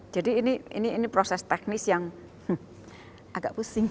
jadi ini proses teknis yang agak pusing